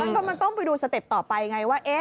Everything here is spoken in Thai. ก็มันต้องไปดูสเต็ปต่อไปไงว่า